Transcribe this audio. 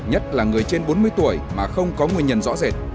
nhất là người trên bốn mươi tuổi mà không có nguyên nhân rõ rệt